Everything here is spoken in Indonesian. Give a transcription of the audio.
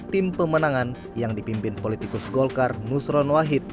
tim pemenangan yang dipimpin politikus golkar nusron wahid